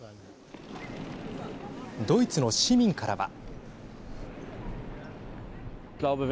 ドイツの市民からは。